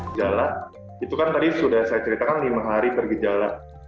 gejala itu kan tadi sudah saya ceritakan lima hari bergejala